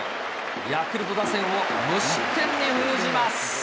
ヤクルト打線を無失点に封じます。